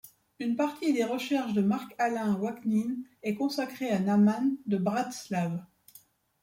Une partie des recherches de Marc-Alain Ouaknin est consacrée à Nahman de Bratslav.